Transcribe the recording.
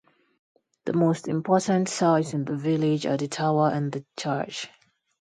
The most important sights in the village are the tower and the church.